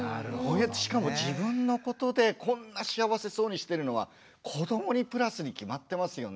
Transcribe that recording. しかも自分のことでこんな幸せそうにしてるのは子どもにプラスに決まってますよね。